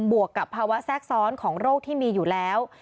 วกกับภาวะแทรกซ้อนของโรคที่มีอยู่แล้ว